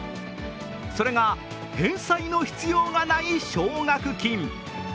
それが返済の必要がない奨学金。